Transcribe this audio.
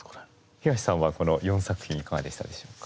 東さんはこの４作品いかがでしたでしょうか？